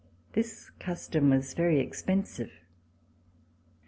This custom was very expensive.